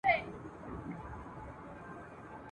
موږ بايد له کوچنيوالي څخه ماشومانو ته د کتاب مينه ور زده کړو ..